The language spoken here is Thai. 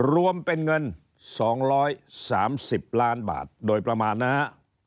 รวมเป็นเงินสองร้อยสามสิบล้านบาทโดยประมาณนะฮะ